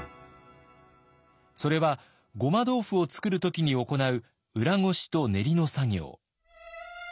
それはごま豆腐を作るときに行う裏ごしと練りの作業。